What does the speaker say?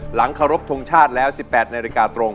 หลังเคารพทงชาติแล้ว๑๘นาฬิกาตรง